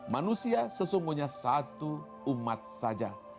manusia sesungguhnya satu umat saja